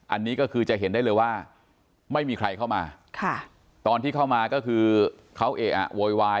อันนี้ก็คือจะเห็นได้เลยว่าไม่มีใครเข้ามาตอนที่เข้ามาก็คือเขาเอะอะโวยวาย